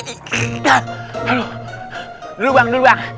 dulu bang dulu bang